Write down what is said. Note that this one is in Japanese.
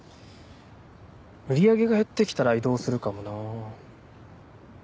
売り上げが減ってきたら移動するかもな